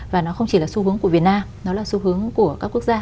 và nó không chỉ là xu hướng của việt nam nó là xu hướng của các quốc gia